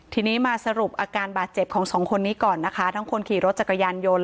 ทีนี้มาสรุปอาการบาดเจ็บของสองคนนี้ก่อนนะคะทั้งคนขี่รถจักรยานยนต์